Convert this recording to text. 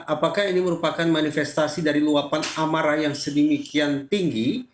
apakah ini merupakan manifestasi dari luapan amarah yang sedemikian tinggi